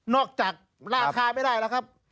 จากราคาไม่ได้แล้วครับ